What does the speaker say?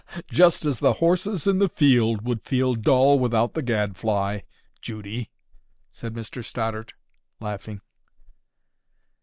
"Just as the horses in the field would feel dull without the gad fly, Judy," said Mr Stoddart, laughing.